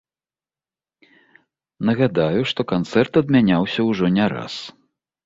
Нагадаю, што канцэрт адмяняўся ўжо не раз.